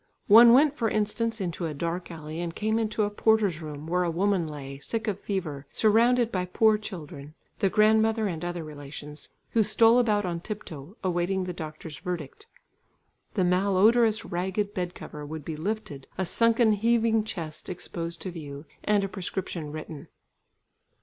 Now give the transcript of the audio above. One went for instance into a dark alley and came into a porter's room, where a woman lay, sick of fever, surrounded by poor children, the grandmother and other relations, who stole about on tip toe, awaiting the doctor's verdict. The malodorous ragged bed cover would be lifted, a sunken heaving chest exposed to view, and a prescription written.